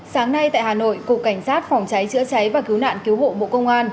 sáng nay tại hà nội cục cảnh sát phòng cháy chữa cháy và cứu nạn cứu hộ bộ công an